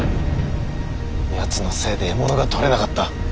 やつのせいで獲物が取れなかった。